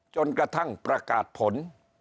จนกระทั่งประกาศผล